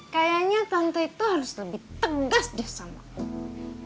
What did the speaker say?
kayaknya tante itu harus lebih tegas deh sama aku